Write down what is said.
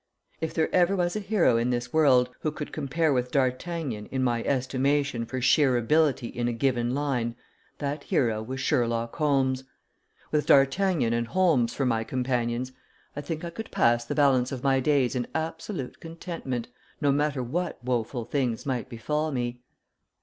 If there ever was a hero in this world who could compare with D'Artagnan in my estimation for sheer ability in a given line that hero was Sherlock Holmes. With D'Artagnan and Holmes for my companions I think I could pass the balance of my days in absolute contentment, no matter what woful things might befall me.